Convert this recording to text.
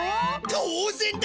当然だ。